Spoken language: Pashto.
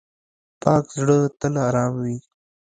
پاک زړه تل آرام وي.